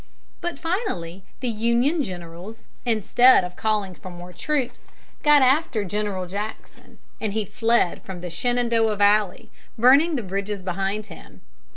But finally the Union generals, instead of calling for more troops, got after General Jackson, and he fled from the Shenandoah Valley, burning the bridges behind him.